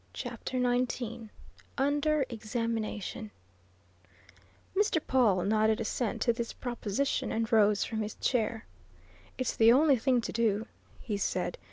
CHAPTER XIX UNDER EXAMINATION Mr. Pawle nodded assent to this proposition and rose from his chair. "It's the only thing to do," he said.